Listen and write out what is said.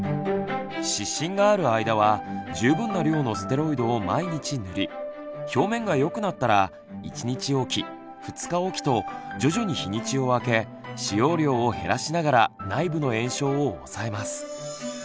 湿疹がある間は十分な量のステロイドを毎日塗り表面がよくなったら１日おき２日おきと徐々に日にちを空け使用量を減らしながら内部の炎症をおさえます。